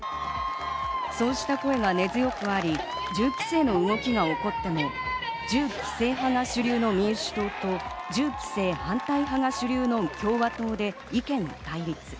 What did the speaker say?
そうした声が根強くあり、銃規制の動きが起こっても、銃規制派が主流の民主党と銃規制反対派が主流の共和党で意見対立。